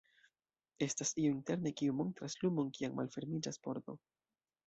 Estas io interne, kiu montras lumon kiam malfermiĝas pordo.